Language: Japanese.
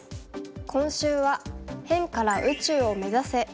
今週は「辺から宇宙を目指せ！」です。